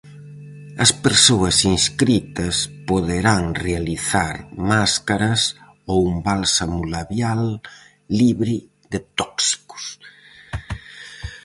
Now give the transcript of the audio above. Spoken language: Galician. As persoas inscritas poderán realizar máscaras ou un bálsamo labial libre de tóxicos.